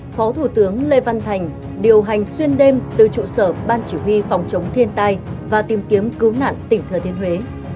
phó thủ tướng lê văn thành điều hành xuyên đêm từ trụ sở ban chỉ huy phòng chống thiên tai và tìm kiếm cứu nạn tỉnh thừa thiên huế